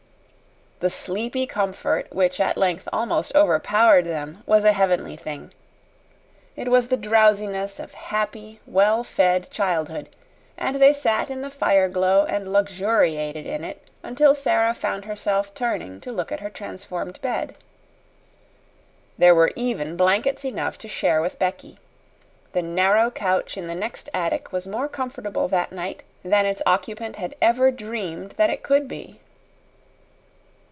The sleepy comfort which at length almost overpowered them was a heavenly thing. It was the drowsiness of happy, well fed childhood, and they sat in the fire glow and luxuriated in it until Sara found herself turning to look at her transformed bed. There were even blankets enough to share with Becky. The narrow couch in the next attic was more comfortable that night than its occupant had ever dreamed that it could be.